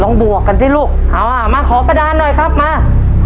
บวกกันสิลูกเอาอ่ะมาขอกระดานหน่อยครับมา